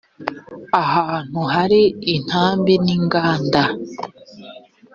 ahantu hari intambi n inganda